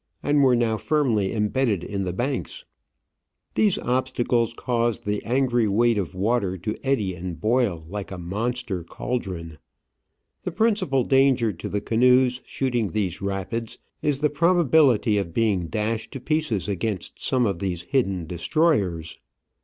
and were now firmly embedded in the banks. These Digitized by VjOOQIC OF AN Orchid Hunter. ioi obstacles caused the angry weight of water to eddy and boil like a monster caldron. The principal danger to the canoes shooting these rapids is the probability of being dashed to pieces against some of these hidden destroyers.